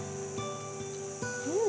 うん！